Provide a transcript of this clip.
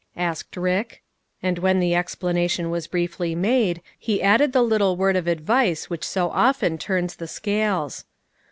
asked Rick; and when the explanation was briefly made, he added the little word of advice which so often turns the scales.